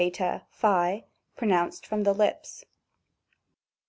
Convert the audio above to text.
tp, pro nounced from the lips.